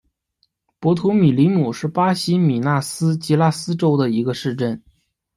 博图米里姆是巴西米纳斯吉拉斯州的一个市镇。